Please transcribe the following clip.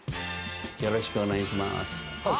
よろしくお願いします。